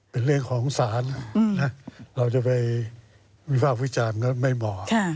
เป็นเรื่องของศาลเราจะไปวิภาควิจารณ์ก็ไม่เหมาะ